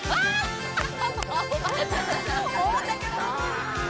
ハハハッ。